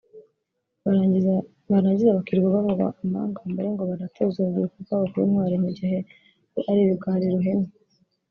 Barangiza bakirirwa bavuga amangambure ngo baratoza urubyiruko rwabo kuba intwari mu gihe bo ari ibigwari ruhenu